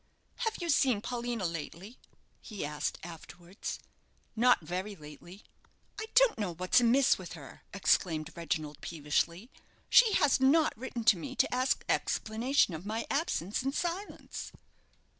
"Have you seen Paulina lately?" he asked, afterwards. "Not very lately." "I don't know what's amiss with her," exclaimed Reginald, peevishly; "she has not written to me to ask explanation of my absence and silence."